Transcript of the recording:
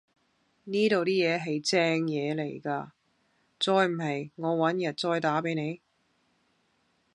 呢度啲嘢係正野嚟㗎，再唔係我搵日再打俾你